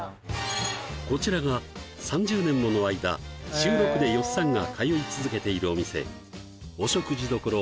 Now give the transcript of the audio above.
こちらが３０年もの間週６でよっさんが通い続けているお店お食事処いわむら